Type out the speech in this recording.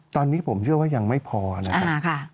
ตอนนี้ผมเชื่อว่ายังไม่พอนะครับ